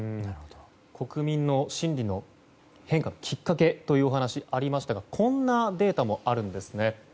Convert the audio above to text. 国民の心理の変化のきっかけというお話がありましたがこんなデータもあるんですね。